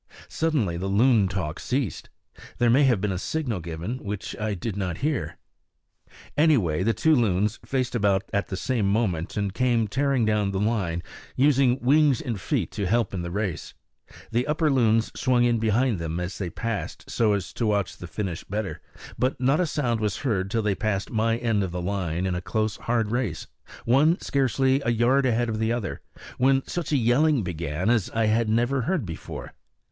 Suddenly the loon talk ceased. There may have been a signal given, which I did not hear. Anyway, the two loons faced about at the same moment and came tearing down the line, using wings and feet to help in the race. The upper loons swung in behind them as they passed, so as to watch the finish better; but not a sound was heard till they passed my end of the line in a close, hard race, one scarcely a yard ahead of the other, when such a yelling began as I never heard before.